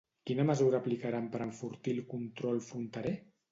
Quina mesura aplicaran per enfortir el control fronterer?